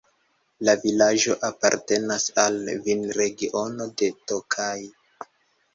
La vilaĝo apartenas al vinregiono de Tokaj.